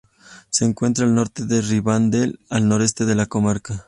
Se encuentra al norte de Rivendel, al noreste de la Comarca.